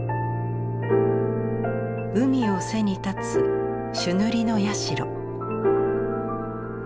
海を背に立つ朱塗りの社。